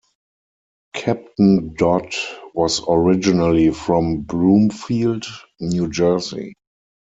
Captain Dodd was originally from Bloomfield, New Jersey.